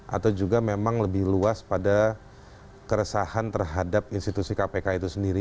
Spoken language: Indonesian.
atau juga memang lebih luas pada keresahan terhadap institusi kpk itu sendiri